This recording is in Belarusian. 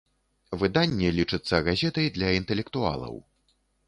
Выданне лічыцца газетай для інтэлектуалаў.